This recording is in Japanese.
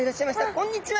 こんにちは。